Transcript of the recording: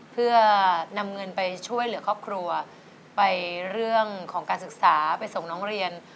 เพื่อนำเงินไปช่วยเหลือครอบครัวไปเรื่องของการศึกษาไปส่งน้องเรียน